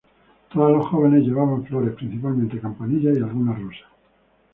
Todas las jóvenes llevaban flores, principalmente campanillas y algunas rosas.